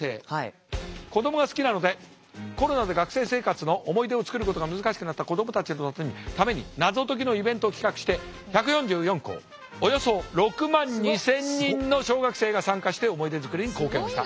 子どもが好きなのでコロナで学生生活の思い出を作ることが難しくなった子どもたちのために謎解きのイベントを企画して１４４校およそ６万２，０００人の小学生が参加して思い出作りに貢献した。